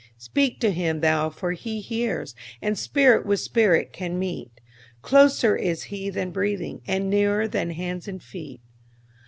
Speak to Him thou for He hears, and Spirit with Spirit can meet—Closer is He than breathing, and nearer than hands and feet.